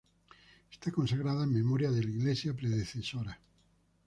Está consagrada en memoria de la iglesia predecesora.